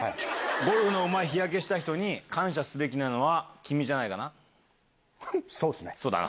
ゴルフのうまい日焼けした人に感謝すべきなのは、君じゃないかな。